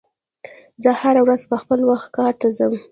زه هره ورځ په خپل وخت کار ته ځم.